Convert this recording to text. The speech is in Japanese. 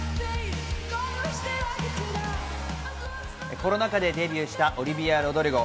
コロナ禍でデビューしたオリヴィア・ロドリゴ。